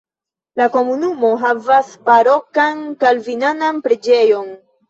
La komunumo havas barokan kalvinanan preĝejon.